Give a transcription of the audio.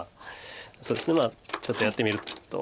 そうですねちょっとやってみると。